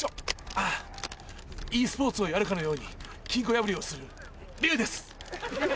あぁｅスポーツをやるかのように金庫破りをする。